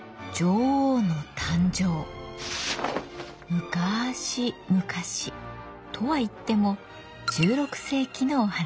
むかしむかし。とは言っても１６世紀のお話。